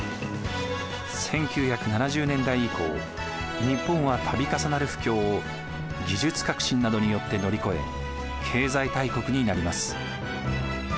１９７０年代以降日本は度重なる不況を技術革新などによって乗り越え経済大国になります。